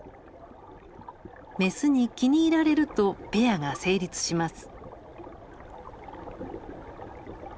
メスに気に入られるとペアが成立します。